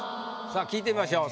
さあ聞いてみましょう。